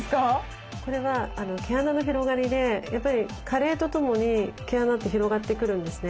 これは毛穴の広がりでやっぱり加齢とともに毛穴って広がってくるんですね。